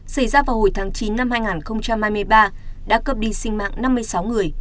xảy ra vào hồi tháng chín năm hai nghìn hai mươi ba đã cướp đi sinh mạng năm mươi sáu người